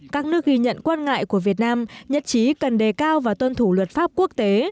các nước ghi nhận quan ngại của việt nam nhất trí cần đề cao và tuân thủ luật pháp quốc tế